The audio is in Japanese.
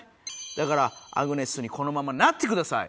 だからアグネスにこのままなってください。